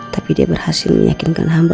tapi dia berhasil meyakinkan hamba